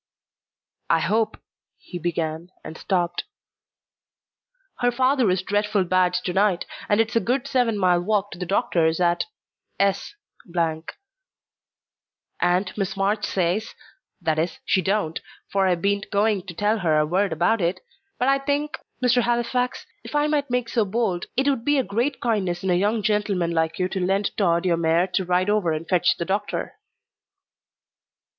"I hope " he began, and stopped. "Her father is dreadful bad to night, and it's a good seven mile walk to the doctor's at S ; and Miss March says that is, she don't, for I bean't going to tell her a word about it but I think, Mr. Halifax, if I might make so bold, it would be a great kindness in a young gentleman like you to lend Tod your mare to ride over and fetch the doctor."